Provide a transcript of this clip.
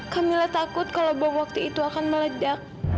kamila takut kalau bom waktu itu akan meledak